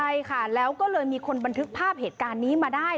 ใช่ค่ะแล้วก็เลยมีคนบันทึกภาพเหตุการณ์นี้มาได้